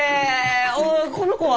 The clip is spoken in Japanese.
あこの子は？